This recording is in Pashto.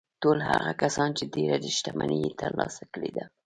ټول هغه کسان چې ډېره شتمني يې ترلاسه کړې ده.